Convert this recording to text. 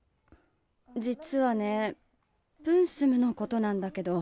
じつはねプンスムのことなんだけど。